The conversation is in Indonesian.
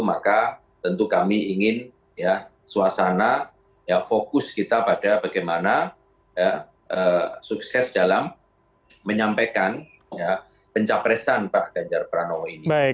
maka tentu kami ingin ya suasana fokus kita pada bagaimana sukses dalam menyampaikan pencapresan pak ganjar pranowo ini